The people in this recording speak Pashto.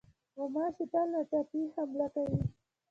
غوماشې تل ناڅاپي حمله کوي.